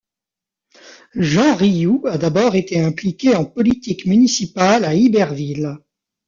Jean Rioux a d'abord été impliqué en politique municipale à Iberville.